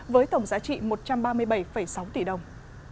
với tổng giá trị một trăm ba mươi bảy sáu tỷ đồng